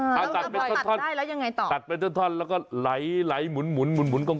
ชิมตัดได้แล้วยังไงต่อตัดเป็นต้นแล้วก็ไหลหมุน